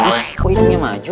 eh kok idungnya maju